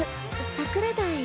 桜台。